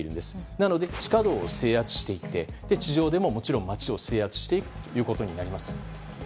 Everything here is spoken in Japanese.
なので、地下道を制圧していって地上でも街を制圧していくことになります。